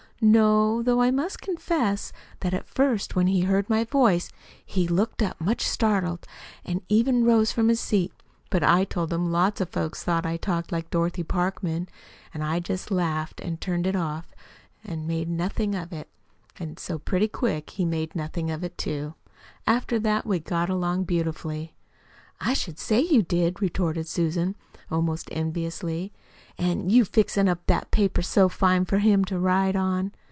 "No. Though I must confess that at first, when he heard my voice, he looked up much startled, and even rose from his seat. But I told him lots of folks thought I talked like Dorothy Parkman; and I just laughed and turned it off, and made nothing of it. And so pretty quick he made nothing of it, too. After that we got along beautifully." "I should say you did!" retorted Susan, almost enviously. "An' you fixin' up that paper so fine for him to write on!"